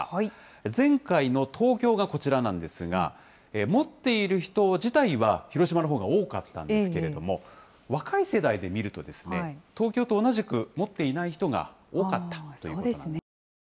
前回の東京がこちらなんですが、持っている人自体は広島のほうが多かったんですけれども、若い世代で見ると、東京と同じく持っていない人が多かったということになりますね。